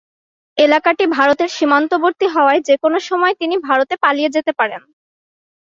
এলাকাটি ভারতের সীমান্তবর্তী হওয়ায় যেকোনো সময় তিনি ভারতে পালিয়ে যেতে পারেন।